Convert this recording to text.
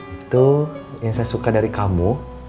itu yang saya suka dari kamu